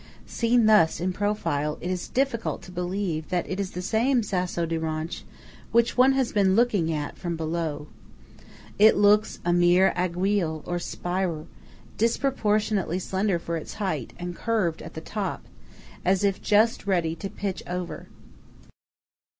Seen thus in profile, it is difficult to believe that it is the same Sasso di Ronch which one has been looking at from below. It looks like a mere aiguille, or spire, disproportionately slender for its height, and curved at the top, as if just ready to pitch over.